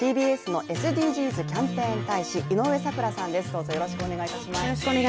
ＴＢＳのＳＤＧｓキャンペーン大使井上咲楽さんです。